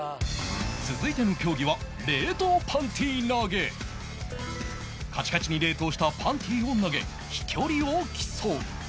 続いての競技はカチカチに冷凍したパンティを投げ飛距離を競う